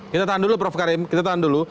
kita tahan dulu prof karim kita tahan dulu